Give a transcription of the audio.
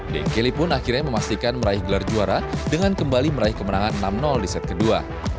dae kelly pun akhirnya memastikan meraih gelar juara dengan kembali meraih kemenangan enam di set kedua